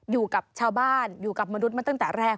อยู่กับชาวบ้านอยู่กับมนุษย์มาตั้งแต่แรก